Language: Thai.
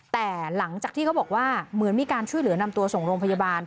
แต่หลังจากที่เขาบอกว่าเหมือนมีการช่วยเหลือนำตัวส่งโรงพยาบาล